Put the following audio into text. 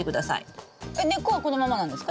えっ根っこはこのままなんですか？